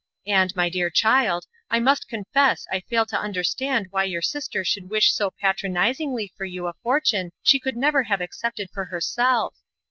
"And, my dear child, I must confess I fail to understand why your sister should wish so patronizingly for you a fortune she would never have accepted for herself.